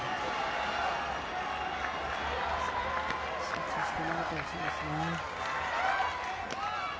集中して投げてほしいですね。